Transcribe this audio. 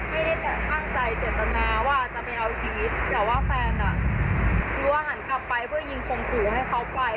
ไม่ได้ตั้งใจเจตนาว่าจะไปเอาชีวิตแต่ว่าแฟนอ่ะคือว่าหันกลับไปเพื่อยิงข่มขู่ให้เขาไป